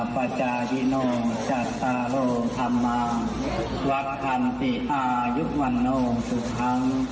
ไปดูของกะลิกค่ะ